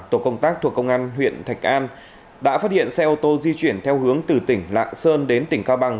tổ công tác thuộc công an huyện thạch an đã phát hiện xe ô tô di chuyển theo hướng từ tỉnh lạng sơn đến tỉnh cao bằng